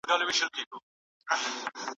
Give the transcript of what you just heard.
دوولس جمع يو؛ ديارلس کېږي.